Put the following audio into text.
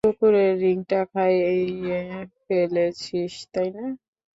কুকুরদের রিংটা খাইয়ে ফেলেছিস, তাই না?